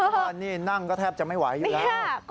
บ้านนี้นั่งก็แทบจะไม่ไหวอยู่แล้ว